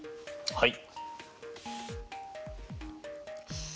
はい。